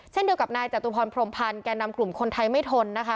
เช่นเดียวกับนายจตุพรพรมพันธ์แก่นำกลุ่มคนไทยไม่ทนนะคะ